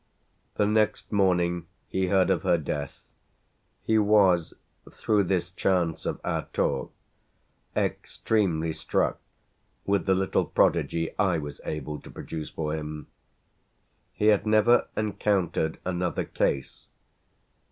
The next morning he heard of her death. He was through this chance of our talk extremely struck with the little prodigy I was able to produce for him. He had never encountered another case.